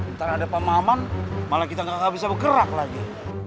ntar ada pahaman malah kita gak bisa bergerak lagi